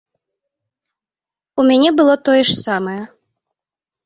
У мяне было тое ж самае.